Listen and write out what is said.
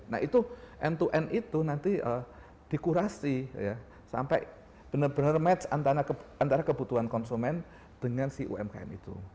nah itu end to end itu nanti dikurasi ya sampai benar benar match antara kebutuhan konsumen dengan si umkm itu